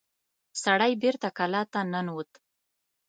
سړی بېرته کلا ته ننوت.